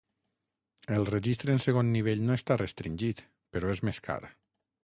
El registre en segon nivell no està restringit, però és més car.